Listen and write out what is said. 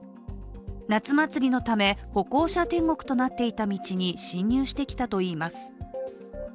夏祭りのため歩行者天国となっていた道に進入してきたといいます。